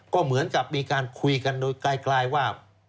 ก็เหมือนกับมีการคุยกันโดยไกลว่า